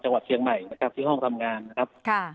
จังหวัดเชียงใหม่นะครับที่ห้องทำงานนะครับ